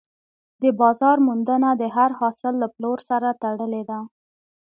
د بازار موندنه د هر حاصل له پلور سره تړلې ده.